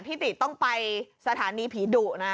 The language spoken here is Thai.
ติต้องไปสถานีผีดุนะ